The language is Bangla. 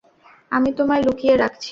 আমি তোমায় লুকিয়ে রাখছি।